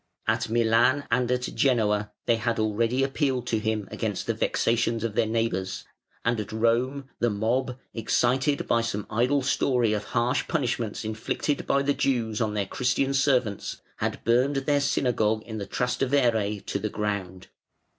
At Milan and at Genoa they had already appealed to him against the vexations of their neighbours, and at Rome the mob, excited by some idle story of harsh punishments inflicted by the Jews on their Christian servants, had burned their synagogue in the Trastevere to the ground.